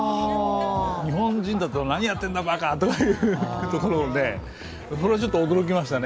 日本人だと何やってんだ、バカ！とか言うところを、それはちょっと驚きましたね